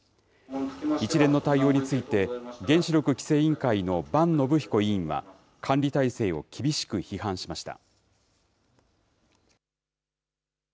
一連の対応について、原子力規制委員会の伴信彦委員は、管理態勢を厳しく批判しました。